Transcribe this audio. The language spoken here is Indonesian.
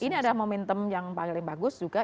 ini adalah momentum yang paling bagus juga